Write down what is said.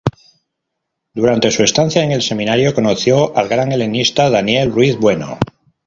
Durante su estancia en el seminario conoció al gran helenista Daniel Ruiz Bueno.